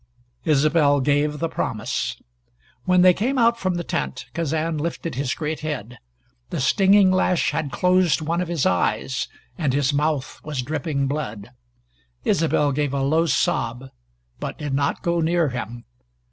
Isobel gave the promise. When they came out from the tent Kazan lifted his great head. The stinging lash had closed one of his eyes and his mouth was dripping blood. Isobel gave a low sob, but did not go near him.